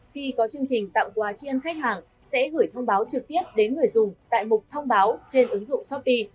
khi có chương trình tặng quà chiên khách hàng sẽ gửi thông báo trực tiếp đến người dùng tại mục thông báo trên ứng dụng shopee